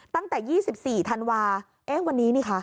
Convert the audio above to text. ตั้งแต่๒๔ธันวาเอ๊ะวันนี้นี่คะ